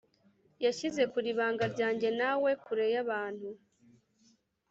Yashyize kure ibanga ryanjye nawe kure yabantu